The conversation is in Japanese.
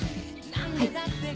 はい。